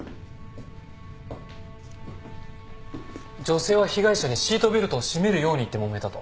女性は被害者にシートベルトを締めるように言ってもめたと。